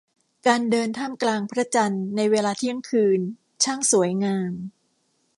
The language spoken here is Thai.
การเดินท่ามกลางพระจันทร์ในเวลาเที่ยงคืนช่างสวยงาม